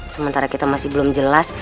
sementara kita masih belum jelas